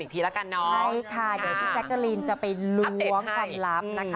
พี่จะไปล้วงความลับนะคะ